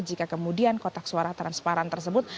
jika kemudian kotak suara transparan tersebut